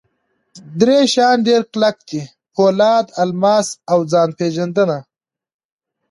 درې شیان ډېر کلک دي: پولاد، الماس اوځان پېژندنه.